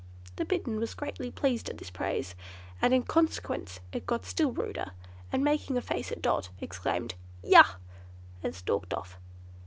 The Bittern was greatly pleased at this praise, and in consequence it got still ruder, and making a face at Dot, exclaimed, "Yah!" and stalked off.